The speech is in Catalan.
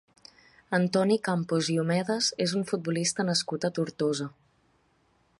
Antoni Campos i Homedes és un futbolista nascut a Tortosa.